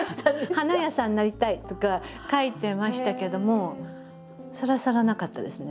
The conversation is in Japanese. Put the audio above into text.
花屋さんなりたいとか書いてましたけどもさらさらなかったですね